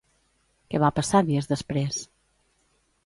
Què va passar dies després?